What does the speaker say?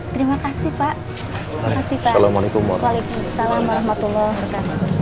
terima kasih pak